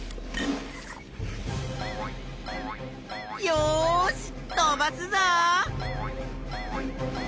よし飛ばすぞ！